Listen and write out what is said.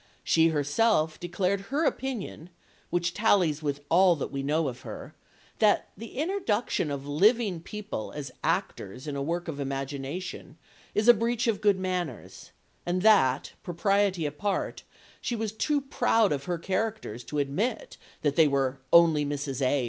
She herself declared her opinion, which tallies with all that we know of her, that the introduction of living people as actors in a work of imagination is a breach of good manners, and that, propriety apart, she was too proud of her characters to admit that they were "only Mrs. A.